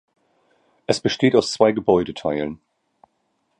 Es besteht aus zwei Gebäudeteilen.